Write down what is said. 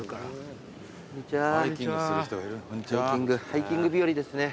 ハイキング日和ですね。